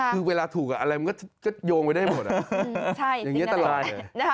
คือเวลาถูกอะอะไรมันก็โยงไว้ได้หมดอะอย่างเงี้ยตลาด